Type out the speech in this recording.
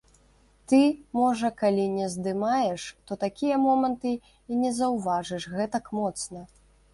Ты, можа, калі не здымаеш, то такія моманты і не заўважыш гэтак моцна.